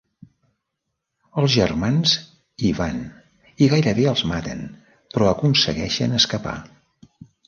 Els germans i van i gairebé els maten però aconsegueixen escapar.